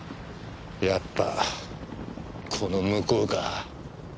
やっぱこの向こうか。